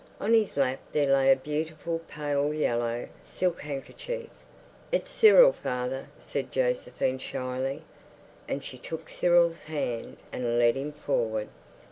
On his lap there lay a beautiful pale yellow silk handkerchief. "It's Cyril, father," said Josephine shyly. And she took Cyril's hand and led him forward.